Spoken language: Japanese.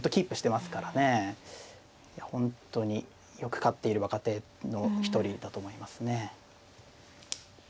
本当によく勝っている若手の一人だと思いますね。